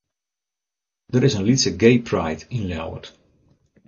Der is in lytse gaypride yn Ljouwert.